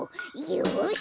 よし！